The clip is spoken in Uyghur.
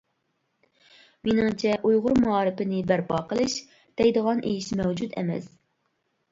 مېنىڭچە «ئۇيغۇر مائارىپىنى بەرپا قىلىش» دەيدىغان ئىش مەۋجۇت ئەمەس.